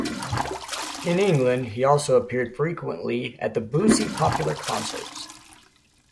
In England he also appeared frequently at the Boosey popular Concerts.